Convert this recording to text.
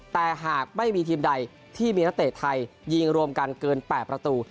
แต่หากไม่มีทีมใดที่มีนักเตะไทยยิงรวมกันเกิน๘ประตู